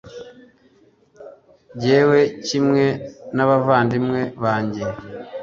jyewe, kimwe n'abavandimwe banjye